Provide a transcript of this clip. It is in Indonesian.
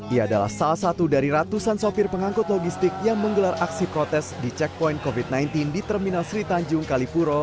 ia adalah salah satu dari ratusan sopir pengangkut logistik yang menggelar aksi protes di checkpoint covid sembilan belas di terminal sri tanjung kalipuro